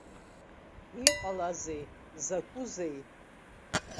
Иҟалазеи, закәузеи?